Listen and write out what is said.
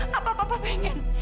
pa apa papa pengen